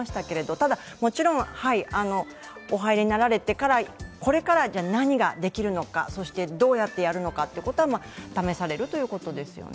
ただ、もちろんお入りになられてから、これから何ができるのか、そしてどうやってやるのかということは試されるということですよね。